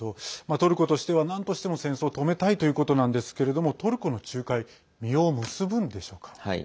トルコとしてはなんとしても戦争を止めたいということなんですけれどもトルコの仲介実を結ぶんでしょうか。